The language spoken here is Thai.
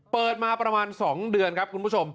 เปิดมาประมาณ๒เดือนครับคุณผู้ชม